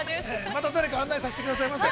◆また誰か案内させてくださいませ。